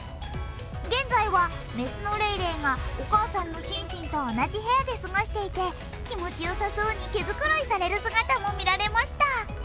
現在は雌のレイレイがお母さんのシンシンと同じ部屋で過ごしていて、気持ちよさそうに毛繕いされる姿も見られました。